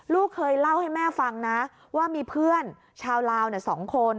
ลูกเคยเล่าให้แม่ฟังนะว่ามีเพื่อนชาวลาว๒คน